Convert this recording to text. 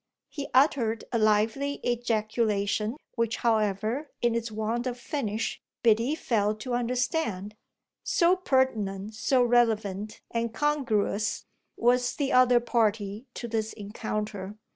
He uttered a lively ejaculation, which, however, in its want of finish, Biddy failed to understand; so pertinent, so relevant and congruous, was the other party to this encounter.